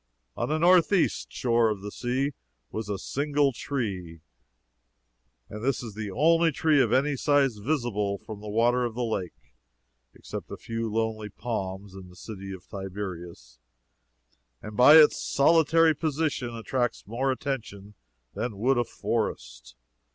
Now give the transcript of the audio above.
On the north east shore of the sea was a single tree, and this is the only tree of any size visible from the water of the lake, except a few lonely palms in the city of Tiberias, and by its solitary position attracts more attention than would a forest.